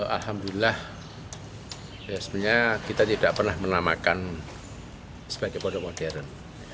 alhamdulillah sebenarnya kita tidak pernah menamakan sebagai produk modern